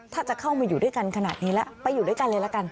ถ้าจะเข้ามาอยู่ด้วยกันขนาดนี้แล้วไปอยู่ด้วยกันเลยละกัน